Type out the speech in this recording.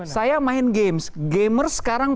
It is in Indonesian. saya main games gamer sekarang